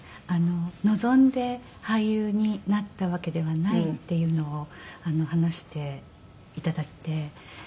望んで俳優になったわけではないっていうのを話して頂いて。